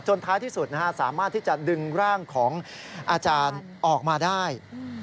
ท้ายที่สุดสามารถที่จะดึงร่างของอาจารย์ออกมาได้